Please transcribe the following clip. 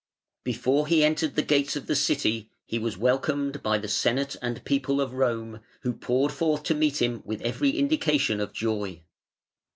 ] Before he entered the gates of the City he was welcomed by the Senate and People of Rome, who poured forth to meet him with every indication of joy.